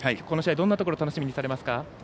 この試合、どんなところを楽しみにされますか？